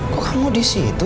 kok kamu disitu